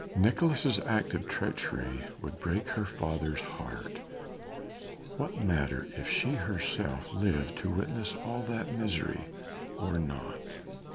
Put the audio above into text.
Nicolaes' act of treachery would break her father's heart; what matter if she herself lived to witness all that misery or not.